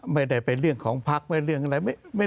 ไม่ได้เป็นเรื่องของภัคดิ์ไม่เป็นเรื่องอะไร